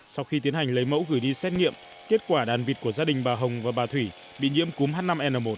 sau khi tiến hành lấy mẫu gửi đi xét nghiệm kết quả đàn vịt của gia đình bà hồng và bà thủy bị nhiễm cúm h năm n một